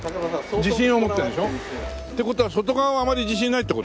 自信を持ってるんでしょ？って事は外側はあまり自信ないって事？